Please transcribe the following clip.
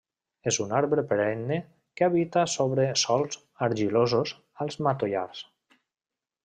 És un arbre perenne que habita sobre sòls argilosos als matollars.